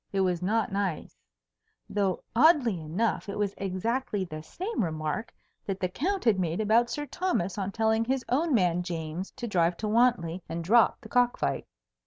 It was not nice; though oddly enough it was exactly the same remark that the Count had made about Sir Thomas on telling his own man James to drive to Wantley and drop the cock fight.